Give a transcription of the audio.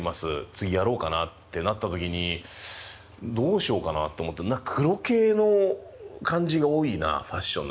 次やろうかなってなった時にどうしようかなと思って黒系の感じが多いなファッションの人って。